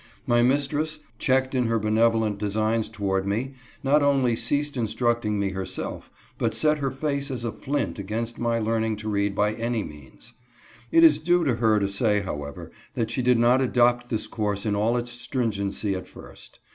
My mistress, checked in her benevolent designs toward me, not only ceased instructing me herself, but set her face as a flint against my learning to read by any means. It is due to her to say, however, that she did not adopt this course in all its stringency at first.